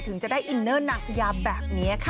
ถึงจะได้อินเนอร์นางพญาแบบนี้ค่ะ